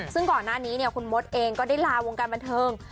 ซึ่งก่อนหน้านี้คุณมดเองก็ได้ลาวงการบันเทิง